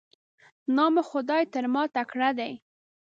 نام خدای، تر ما تکړه یې.